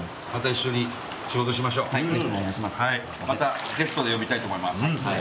またゲストで呼びたいと思います。